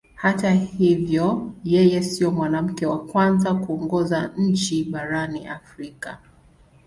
Hata hivyo yeye sio mwanamke wa kwanza kuongoza nchi barani Afrika.